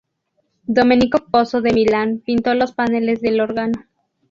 Domenico Pozzo de Milán pintó los paneles del órgano.